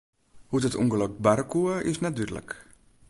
Hoe't it ûngelok barre koe, is net dúdlik.